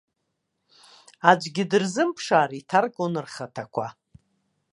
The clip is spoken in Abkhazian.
Аӡәгьы дырзымԥшаар, иҭаркуан рхаҭақәа.